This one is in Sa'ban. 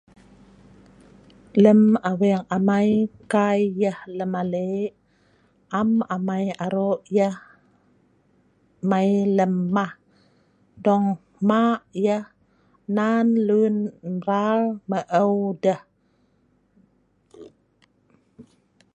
Lem Aweng amai kai yah lemale' am amai aro yah mai lem mah.dong hmak yah nan lun mral maeu deh